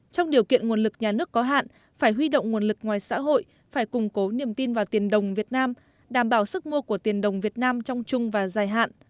trong điều kiện nguồn lực nhà nước có hạn phải huy động nguồn lực ngoài xã hội phải củng cố niềm tin vào tiền đồng việt nam đảm bảo sức mua của tiền đồng việt nam trong chung và dài hạn